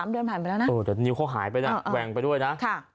๓เดือนผ่านไปแล้วนะนิ้วเขาหายไปแล้วแวงไปด้วยนะ